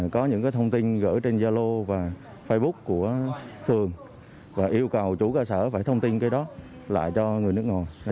có những thông tin gửi trên gia lô và facebook của phường và yêu cầu chủ cơ sở phải thông tin cái đó lại cho người nước ngoài